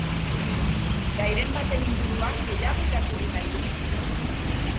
Gairen baten inguruan gehiago irakurri nahi duzu?